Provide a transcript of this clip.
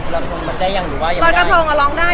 รอยกระโตรงอาหารลองได้